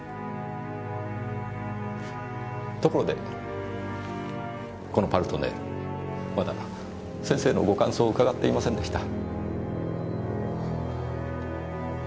ところでこの「パルトネール」まだ先生のご感想を伺っていませんでした。